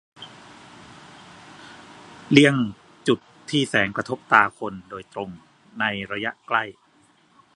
-เลี่ยงจุดที่แสงกระทบตาคนโดยตรงในระยะใกล้